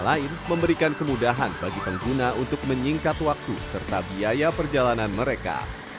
lain memberikan kemudahan bagi pengguna untuk menyingkat waktu serta biaya perjalanan mereka